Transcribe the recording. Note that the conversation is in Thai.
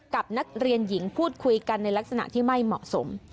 กับนักเรียนหญิงพูดคุยกันในลักษณะที่ไม่เหมาะสม